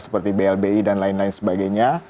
seperti blbi dan lain lain sebagainya